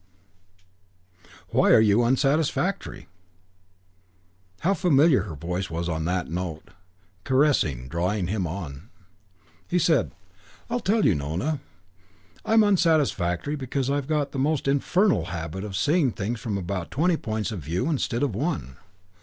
Why are you unsatisfactory?" How familiar her voice was on that note, caressing, drawing him on. He said, "I'll tell you, Nona. I'm unsatisfactory because I've got the most infernal habit of seeing things from about twenty points of view instead of one.